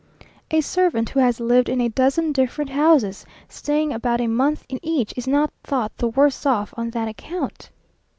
A servant who has lived in a dozen different houses, staying about a month in each, is not thought the worse of on that account.